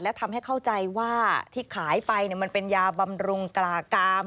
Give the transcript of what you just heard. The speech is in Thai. และทำให้เข้าใจว่าที่ขายไปมันเป็นยาบำรุงกลากาม